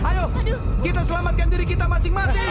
ayo kita selamatkan diri kita masing masing